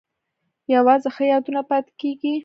یوازې ښه یادونه پاتې کیږي؟